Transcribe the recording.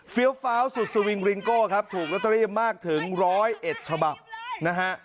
ฟิลต์ฟ้าวสุดสวิงลิงโก้ครับถูกรัตเตอรี่มากถึง๑๐๑ฉบับนะฮะ